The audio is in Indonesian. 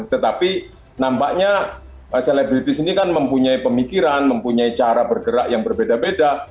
tetapi nampaknya selebritis ini kan mempunyai pemikiran mempunyai cara bergerak yang berbeda beda